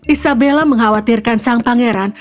isabella mengkhawatirkan sang pangeran